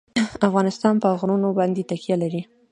افغانستان په غرونه باندې تکیه لري.